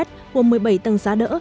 hồ một mươi bảy tầng giá đỡ